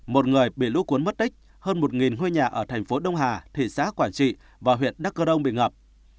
một người bị lũ cuốn mất tích hơn một ngôi nhà ở thành phố đông hà thị xã quảng trị và huyện đắc cơ đông bị ngập